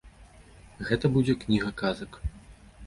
Гэта будзе кніга казак.